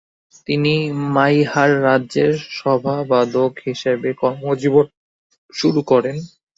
তিনি মাইহার রাজ্যের সভাবাদক হিসেবে কর্মজীবন শুরু করেন।